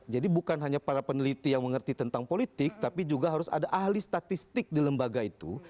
jadi bukan hanya para peneliti yang mengerti tentang politik tapi juga harus ada ahli statistik di lembaga itu